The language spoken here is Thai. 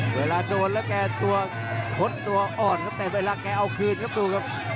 เวลาโดนแล้วแกตัวพ้นตัวอ่อนครับแต่เวลาแกเอาคืนครับดูครับ